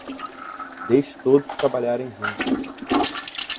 Deixe todos trabalharem juntos